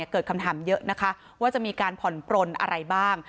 เกิดคำถามเยอะนะคะว่าจะมีการผ่อนปลนอะไรบ้าง